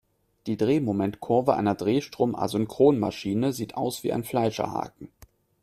Die Drehmomentkurve einer Drehstrom-Asynchronmaschine sieht aus wie ein Fleischerhaken.